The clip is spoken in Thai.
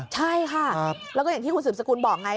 ใช่ค่ะแล้วก็อย่างที่คุณสืบสกุลบอกไง